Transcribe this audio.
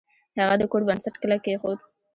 هغه د کور بنسټ کلک کیښود.